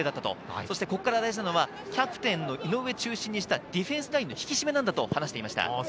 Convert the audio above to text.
そこから大事なのはキャプテンの井上中心にしたディフェンスラインの引き締めと話していました。